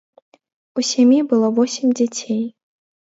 У сям'і было восем дзяцей.